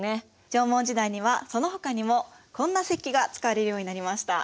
縄文時代にはそのほかにもこんな石器が使われるようになりました。